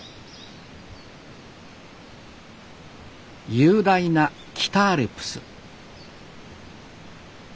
雄大な北アルプス